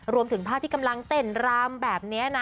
รวมถึงภาพที่กำลังเต้นรามแบบนี้นะ